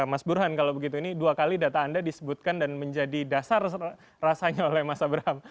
mas burhan kalau begitu ini dua kali data anda disebutkan dan menjadi dasar rasanya oleh mas abraham